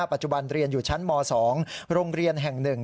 ปัจจุบันเรียนอยู่ชั้นม๒โรงเรียนแห่ง๑